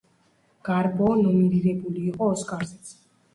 გარბო ნომინირებული იყო ოსკარზეც.